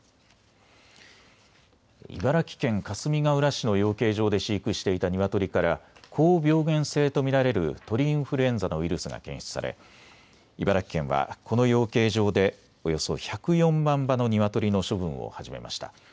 茨城県かすみがうら市の養鶏場で飼育していたニワトリから高病原性と見られる鳥インフルエンザのウイルスが検出され茨城県はこの養鶏場でおよそ１０４万羽のニワトリの処分を始めました。